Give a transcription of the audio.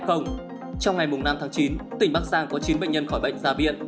trong ngày năm tháng chín tỉnh bắc giang có chín bệnh nhân khỏi bệnh ra viện